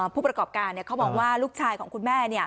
ผู้ประกอบการเขาบอกว่าลูกชายของคุณแม่